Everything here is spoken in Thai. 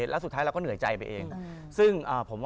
แล้วสุดท้ายเราก็เหนื่อยใจไปเอง